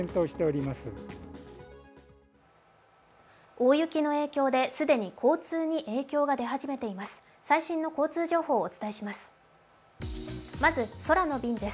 大雪の影響で既に交通に影響が出始めています。